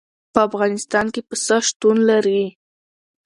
په افغانستان کې پسه شتون لري.